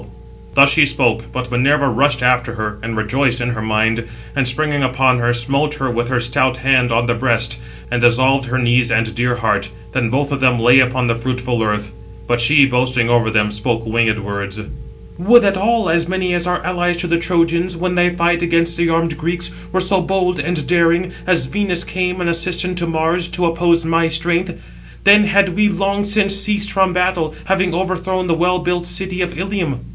Thus she spoke; but Minerva rushed after, and rejoiced in her mind; and springing upon her, smote her with her stout hand on the breast, and dissolved her knees and dear heart. Then both of them lay upon the fruitful earth; but she, boasting over them, spoke winged words: "Would that all, as many as are allies to the Trojans, when they fight against the armed Greeks, were so bold and daring, as Venus came an assistant to Mars, to oppose my strength; then had we long since ceased from battle, having overthrown the well built city of Ilium."